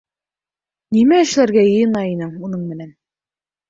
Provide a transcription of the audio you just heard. Нимә эшләргә йыйына инең уның менән?